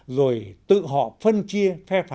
rồi tự họ phân chia